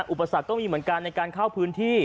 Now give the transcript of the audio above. อุปสรรคก็มีเหมือนกันในการเข้าพื้นที่